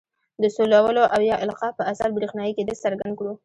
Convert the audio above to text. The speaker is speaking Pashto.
د سولولو او یا القاء په اثر برېښنايي کیدل څرګند کړو.